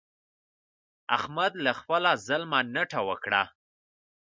احمد له خپله ظلمه نټه وکړه.